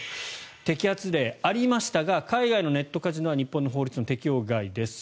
摘発例はありましたが海外のネットカジノは日本の法律の適用外です。